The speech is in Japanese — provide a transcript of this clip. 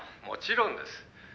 「もちろんです」